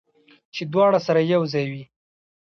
چې دواړه سره یو ځای وي